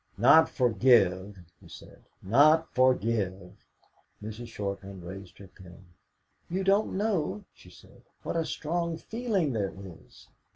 "Not 'forgive,'" he said, "not 'forgive'." Mrs. Shortman raised her pen. "You don't know," she said, "what a strong feeling there is.